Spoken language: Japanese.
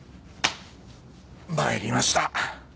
参りました。